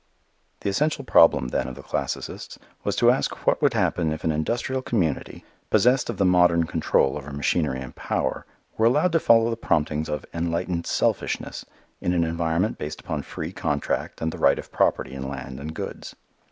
The essential problem then of the classicists was to ask what would happen if an industrial community, possessed of the modern control over machinery and power, were allowed to follow the promptings of "enlightened selfishness" in an environment based upon free contract and the right of property in land and goods.